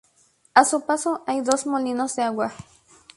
A su paso hay dos molinos de agua.